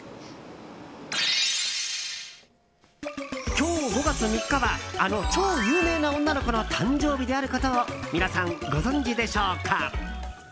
今日、５月３日はあの超有名な女の子の誕生日であることを皆さん、ご存じでしょうか？